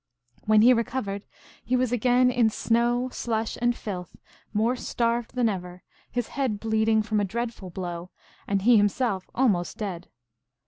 When he recovered, he was again in snow, slush, and filth, more starved than ever, his head bleeding from a dreadful blow, and he himself almost dead.